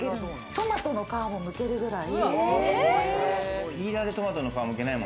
トマトの皮も剥けるぐらい。